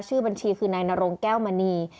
ชื่อบัญชีคือนายนรงแก้วมณี